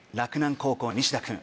高校西田君